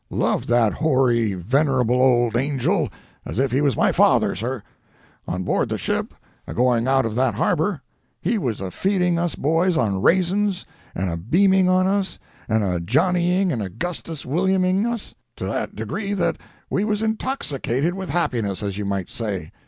Loved that hoary, venerable old angel as if he was my father, sir. On board the ship, agoing out of that harbor, he was a feeding us boys on raisins, and a beaming on us, and a Johnnying and Augustus Williaming us, to that degree that we was intoxicated with happiness, as you might say.